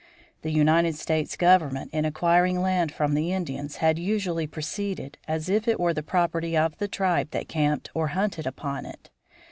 The United States government in acquiring land from the Indians had usually proceeded as if it were the property of the tribe that camped or hunted upon it.